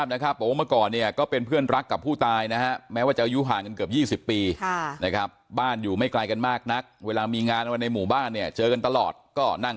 แต่ค่อนข้ายเเหล่าาทีชาติได้ราคาได้ละแดนกินการสู่ท่านศาลหุ้นอยู่สามไม่ได้